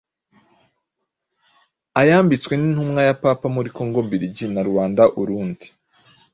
ayambitswe n'intumwa ya Papa muri Kongo mbiligi na Ruanda Urundi.